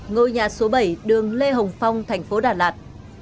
ngôi nhà số bảy đường lê hồng phong thành phố đà lạt